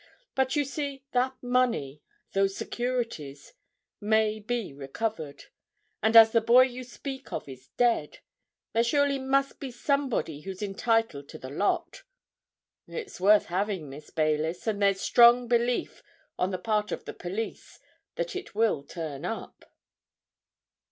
But you see, that money, those securities, may be recovered. And as the boy you speak of is dead, there surely must be somebody who's entitled to the lot. It's worth having, Miss Baylis, and there's strong belief on the part of the police that it will turn up."